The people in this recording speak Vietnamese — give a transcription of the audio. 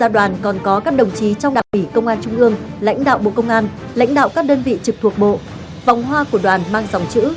đảng ủy công an trung ương lãnh đạo bộ công an lãnh đạo các đơn vị trực thuộc bộ vòng hoa của đoàn mang dòng chữ